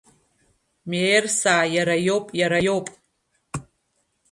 Меерса иара иоп, иара иоп.